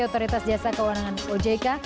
dan otoritas jasa keuangan ojk